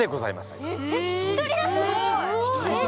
すごい！